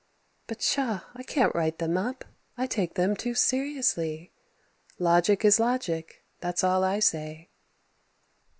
But, pshaw, I can't write them up. I take them too seriously. "Logic is logic, that's all I say."